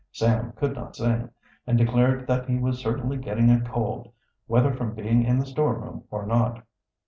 Sam could not sing, and declared that he was certainly getting a cold, whether from being in the storeroom or not.